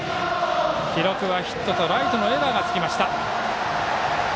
記録はヒットとライトのエラーがつきました。